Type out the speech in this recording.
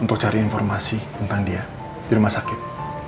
untuk cari informasi tentang dia di rumah sakit